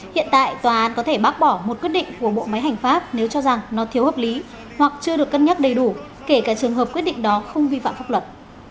hiện tại tòa án có thể bác bỏ một quyết định của bộ máy hành pháp nếu cho rằng nó thiếu hợp lý hoặc chưa được cân nhắc đầy đủ kể cả trường hợp quyết định đó không vi phạm pháp luật